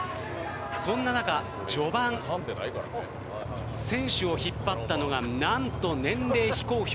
そんな中、序盤選手を引っ張ったのが何と年齢非公表